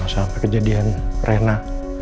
aduh jangan sampai kejadian rena